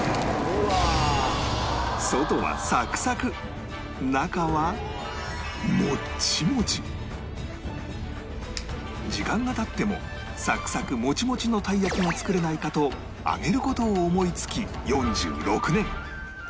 外は中は時間が経ってもサクサクもちもちのたい焼きが作れないかと揚げる事を思いつき４６年